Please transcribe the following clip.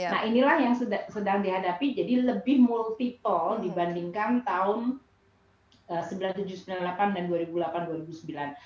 nah inilah yang sedang dihadapi jadi lebih multiple dibandingkan tahun seribu sembilan ratus sembilan puluh delapan dan dua ribu delapan dua ribu sembilan